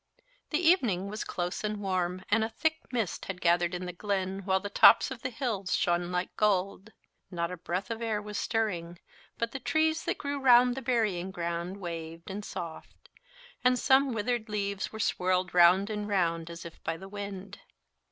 The evening was close and warm, and a thick mist had gathered in the glen, while the tops of the hills shone like gold. Not a breath of air was stirring, but the trees that grew round the burying ground waved and soughed, and some withered leaves were swirled round and round, as if by the wind.